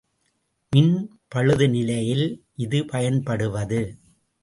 மின் பழுது நிலையில் இது பயன்படுவது.